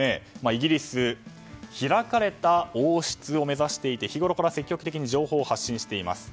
イギリス開かれた王室を目指していて日ごろから積極的に情報発信しています。